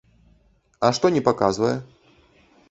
А што не паказвае?